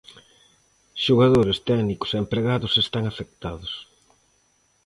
Xogadores, técnicos e empregados están afectados.